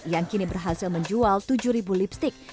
yang kini berhasil menjual tujuh lipstick